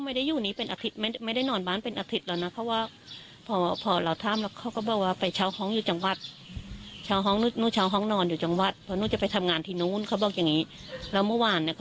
ไม่คิดว่าเขาจะจัดจัดจะทำแบบนี้นะหรอก